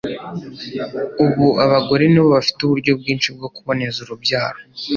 ubu abagore nibo bafite uburyo bwinshi bwo kuboneza urubyaro